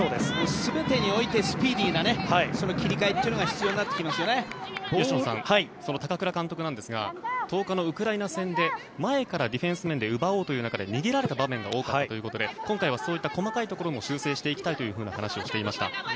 全てにおいてスピーディーな切り替えがその高倉監督なんですが１０日のウクライナ戦で前からディフェンスで奪おうという中で逃げられた場面が多かったということで今回はそういった細かいところも修正していきたいという話をしていました。